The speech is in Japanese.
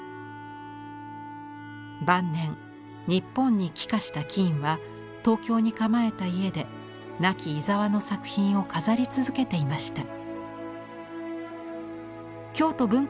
晩年日本に帰化したキーンは東京に構えた家で亡き井澤の作品を飾り続けていました。